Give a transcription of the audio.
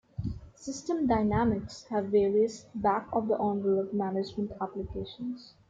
System dynamics have various "back of the envelope" management applications.